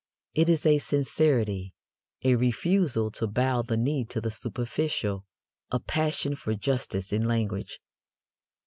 It is a sincerity, a refusal to bow the knee to the superficial, a passion for justice in language.